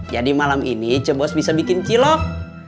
jadi malam ini cebos bisa bikin cilok